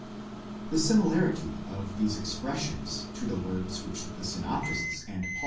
ὃ 81. similarity of these expressions to the words which the synoptists and Pau?